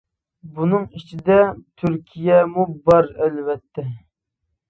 بۇنىڭ ئىچىدە تۈركىيەمۇ بار ئەلۋەتتە.